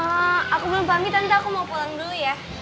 eee aku belum pagi tante aku mau pulang dulu ya